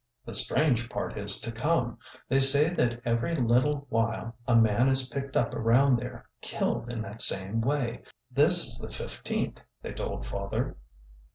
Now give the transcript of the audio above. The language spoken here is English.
" The strange part is to come. They say that every little while a man is picked up around there, killed in that same way. This is the fifteenth, they told father."